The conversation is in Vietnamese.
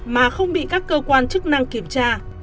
mà không bị các cơ quan chức năng kiểm tra